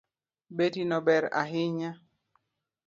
Betino ber ahinya